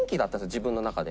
自分の中で。